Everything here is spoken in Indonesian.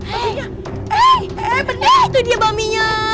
eh eh bener itu dia babinya